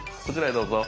どうぞ。